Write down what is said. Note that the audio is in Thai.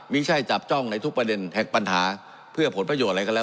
ไม่ใช่จับจ้องในทุกประเด็นแห่งปัญหาเพื่อผลประโยชน์อะไรก็แล้ว